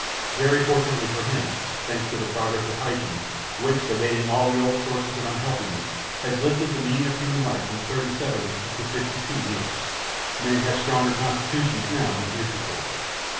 Very fortunately for him, thanks to the progress of hygiene, which, abating all the old sources of unhealthfulness, has lifted the mean of human life from 37 up to 52 years, men have stronger constitutions now than heretofore.